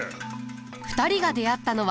２人が出会ったのは。